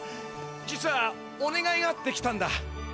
実はおねがいがあって来たんだ。